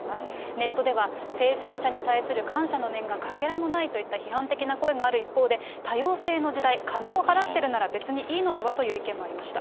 ネットでは、生産者に対する感謝の念がかけらもないといった批判的な声がある一方で、多様性の時代、金を払ってるなら別にいいのではという意見もありました。